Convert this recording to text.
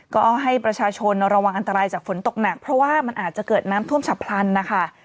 ก็ให้ประชาชนระวังอันตรายจากฝนตกหนักเพราะว่ามันอาจจะเกิดน้ำท่วมฉับพลันนะคะ